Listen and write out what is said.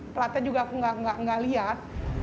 platnya juga aku nggak lihat